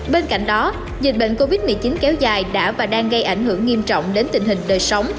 bên cạnh đó dịch bệnh covid một mươi chín kéo dài đã và đang gây ảnh hưởng nghiêm trọng đến tình hình đời sống